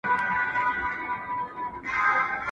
¬ لکه چرگ، غول خوري، مشوکه څنډي.